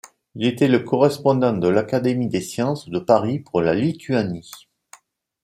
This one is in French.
Il était le correspondant de l'Académie des sciences de Paris pour la Lituanie.